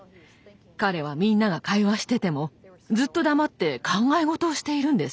彼はみんなが会話しててもずっと黙って考え事をしているんです。